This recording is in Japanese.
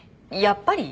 「やっぱり」？